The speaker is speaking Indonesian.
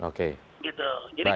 oke jadi kami menurut bahwa